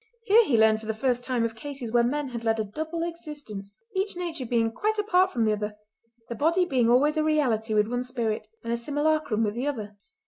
Here he learned for the first time of cases where men had led a double existence—each nature being quite apart from the other—the body being always a reality with one spirit, and a simulacrum with the other.